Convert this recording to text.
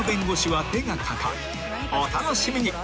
［お楽しみに］